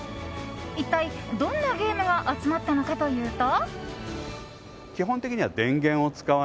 一体どんなゲームが集まったのかというと。